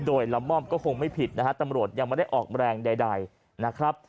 โดยละม่อมก็คงไม่ผิดนะฮะตำรวจยังไม่ได้ออกแรงใดนะครับ